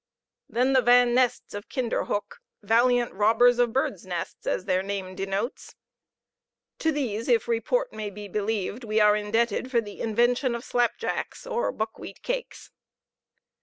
Then the Van Nests of Kinderhoeck, valiant robbers of birds' nests, as their name denotes; to these, if report may be believed, are we indebted for the invention of slap jacks, or buckwheat cakes.